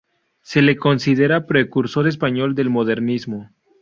Se le considera precursor español del modernismo.